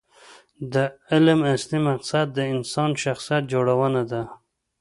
د علم اصلي مقصد د انسان شخصیت جوړونه ده.